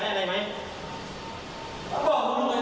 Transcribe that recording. ซื้อมานานแล้ว